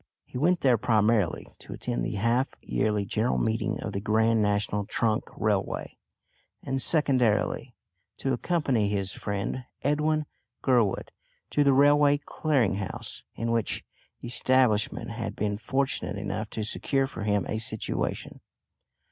He went there primarily to attend the half yearly general meeting of the Grand National Trunk Railway, and secondarily, to accompany his friend Edwin Gurwood to the Railway Clearing House, in which establishment he had been fortunate enough to secure for him a situation.